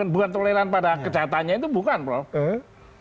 bukan toleran pada kejahatannya itu bukan prof